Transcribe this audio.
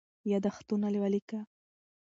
یادښتونه ولیکه.